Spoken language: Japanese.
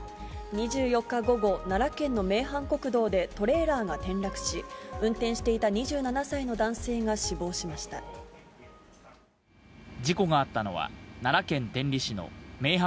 ２４日午後、奈良県の名阪国道でトレーラーが転落し、運転していた２７歳の男事故があったのは、奈良県天理市の名阪